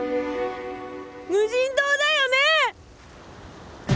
無人島だよね！？